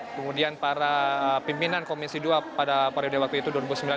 kemudian para pimpinan komisi ii pada periode waktu itu dua ribu sembilan dua ribu empat belas